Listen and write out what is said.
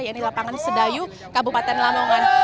yaitu lapangan sedayu kabupaten lamongan